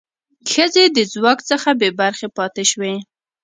ښځې د ځواک څخه بې برخې پاتې شوې.